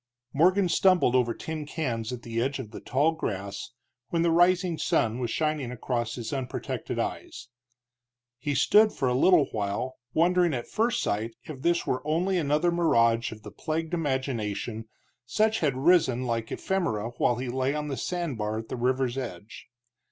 Morgan stumbled over tin cans at the edge of the tall grass when the rising sun was shining across his unprotected eyes. He stood for a little while, wondering at first sight if this were only another mirage of the plagued imagination, such as had risen like ephemera while he lay on the sand bar at the river's edge.